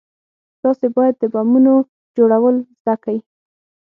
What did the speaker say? تاسې بايد د بمونو جوړول زده کئ.